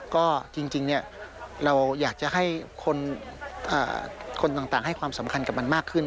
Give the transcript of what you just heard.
ก็จริงเราอยากจะให้คนต่างให้ความสำคัญกับมันมากขึ้น